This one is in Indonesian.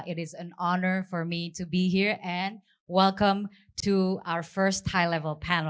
ini adalah kehormatan untuk saya berada di sini dan selamat datang ke panel tinggi terbaru kami